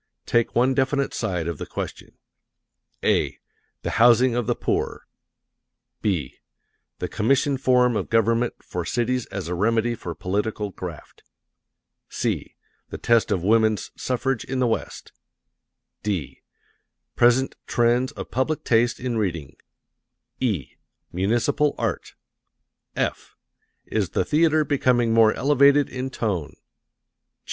Take one definite side of the question, (a) "The Housing of the Poor;" (b) "The Commission Form of Government for Cities as a Remedy for Political Graft;" (c) "The Test of Woman's Suffrage in the West;" (d) "Present Trends of Public Taste in Reading;" (e) "Municipal Art;" (f) "Is the Theatre Becoming more Elevated in Tone?"